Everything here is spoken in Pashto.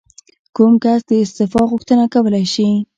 کوم کس د استعفا غوښتنه کولی شي؟